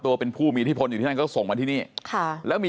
เป็นผู้มีอิทธิพลอยู่ที่นั่นก็ส่งมาที่นี่ค่ะแล้วมี